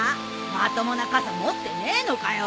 まともな傘持ってねえのかよ。